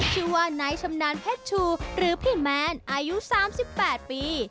ชื่อว่านายชำนาญเพชรชูหรือพี่แมนอายุ๓๘ปี